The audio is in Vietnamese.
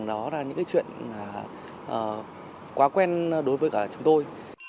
đó là những cái chuyện quá quen đối với cả chúng tôi